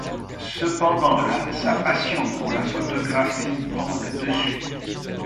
Cependant sa passion pour la photographie prend le dessus.